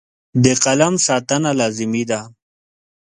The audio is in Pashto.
د قلم ساتنه لازمي ده.